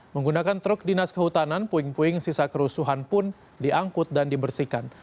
menggunakan truk dinas kehutanan puing puing sisa kerusuhan pun diangkut dan dibersihkan